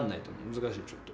難しいちょっと。